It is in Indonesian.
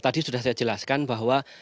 tadi sudah saya jelaskan bahwa